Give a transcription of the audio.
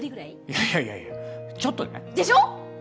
いやいやいやいやちょっとね。でしょ？